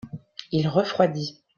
il refroidit.